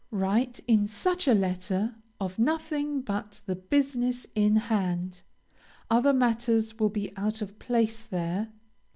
Write, in such a letter, of nothing but the business in hand; other matters will be out of place there.